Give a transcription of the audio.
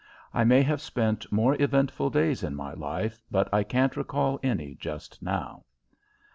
I may have spent more eventful days in my life, but I can't recall any just now.